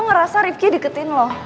lo ngerasa rivki diketin lo